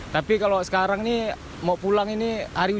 tapi kalau sekarang ini mau pulang ini hari ini